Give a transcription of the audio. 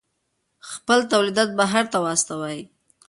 خپل تولیدات بهر ته واستوئ.